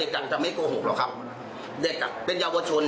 เข้ามาสอบสวนในโรงเรียนสอบสวนเด็กเองเลยครับ